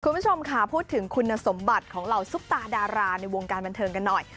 คุณผู้ชมค่ะพูดถึงคุณสมบัติของเหล่าซุปตาดาราในวงการบันเทิงกันหน่อย